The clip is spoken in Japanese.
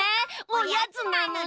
おやつなのに？